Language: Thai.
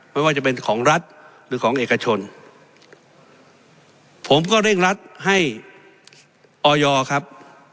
ไม่ว่าจะเป็นของรัฐหรือของเอกชนผมก็เร่งรัดให้ออยครับ